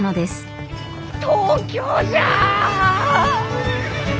東京じゃ！